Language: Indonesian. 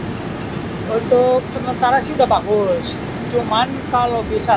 tapi kalau misalnya lagi di tempat yang rutenya tuh nggak dekat sama halte